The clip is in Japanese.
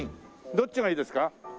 どっちがいいですか？